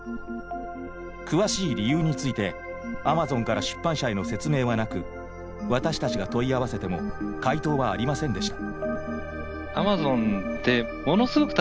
詳しい理由についてアマゾンから出版社への説明はなく私たちが問い合わせても回答はありませんでした。